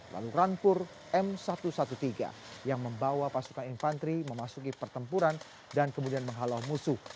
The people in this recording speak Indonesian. lalu rampur m satu ratus tiga belas yang membawa pasukan infanteri memasuki pertempuran dan kemudian menghalau musuh